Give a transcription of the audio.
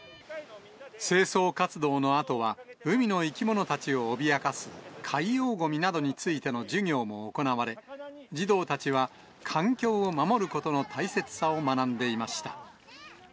清掃活動のあとは、海の生き物たちを脅かす海洋ごみなどについての授業も行われ、児童たちは、環境を守ることの大切さを学んでいました。